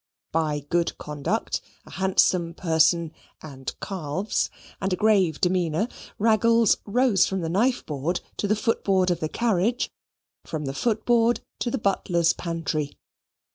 By good conduct, a handsome person and calves, and a grave demeanour, Raggles rose from the knife board to the footboard of the carriage; from the footboard to the butler's pantry.